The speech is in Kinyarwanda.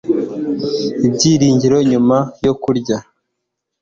Ibyiringiro nyuma yo kurya